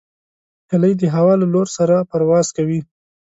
هیلۍ د هوا له لور سره پرواز کوي